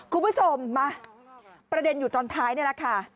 คุณผู้ชมมาประเด็นอยู่ตอนท้ายนี่แหละค่ะ